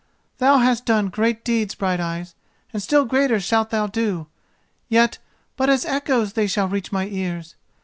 Thou hast done great deeds, Brighteyes, and still greater shalt thou do; yet but as echoes they shall reach my ears.